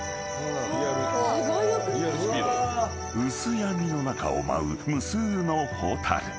［薄闇の中を舞う無数のホタル］